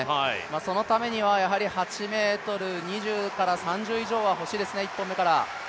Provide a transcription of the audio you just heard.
そのためには８ｍ２０３０以上はほしいですね、１本目から。